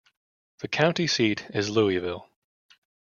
The county seat is Louisville.